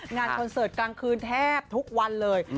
คอนเสิร์ตกลางคืนแทบทุกวันเลย